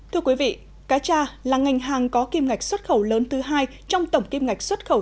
thưa quý vị cá cha là ngành hàng có kim ngạch xuất khẩu lớn thứ hai trong tổng kim ngạch xuất khẩu